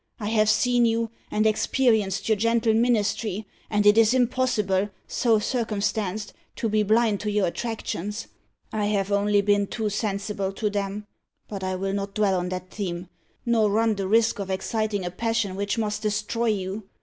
I have seen you, and experienced your gentle ministry; and it is impossible, so circumstanced, to be blind to your attractions. I have only been too sensible to them but I will not dwell on that theme, nor run the risk of exciting a passion which must destroy you.